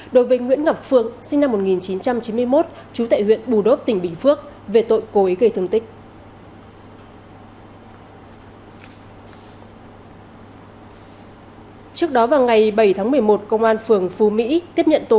đối với nguyễn ngọc phượng sinh năm một nghìn chín trăm chín mươi một chú tại huyện bù đốp tỉnh bình phước về tội cối gây thương tích